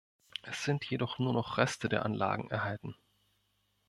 Es sind jedoch nur noch Reste der Anlagen erhalten.